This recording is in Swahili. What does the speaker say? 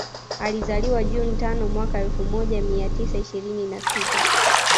Alizaliwa June tano mwaka elfu moja mia tisa ishirini na sita